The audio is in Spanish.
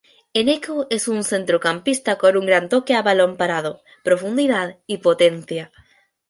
Eneko es un centrocampista con un gran toque a balón parado, profundidad y potencia.